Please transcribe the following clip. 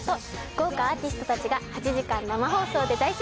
豪華アーティストたちが８時間生放送で大集結！